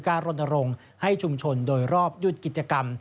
การรนตรงให้ชุมชนโดยรอบยุทธกิจกรรม